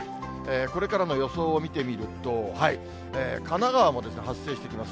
これからの予想を見てみると、神奈川も発生してきます。